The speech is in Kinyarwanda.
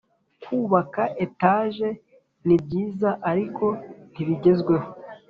Kubaka etaje ni byiza ariko nti bigezweho